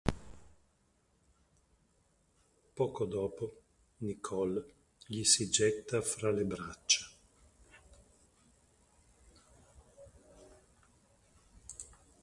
Poco dopo Nicole gli si getta fra le braccia.